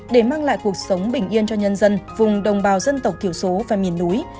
để mang lại cuộc sống bình yên cho nhân dân vùng đồng bào dân tộc thiểu số và miền núi